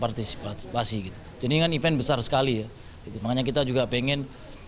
partisipasi jadi ini kan event besar sekali ya makanya kita juga pengen